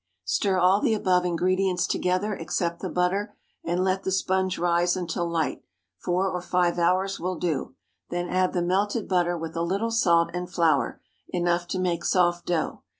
Stir all the above ingredients together except the butter, and let the sponge rise until light—four or five hours will do; then add the melted butter with a little salt and flour, enough to make soft dough.